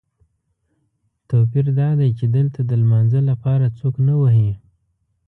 توپیر دادی چې دلته د لمانځه لپاره څوک نه وهي.